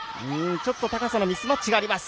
ちょっと高さのミスマッチがあります。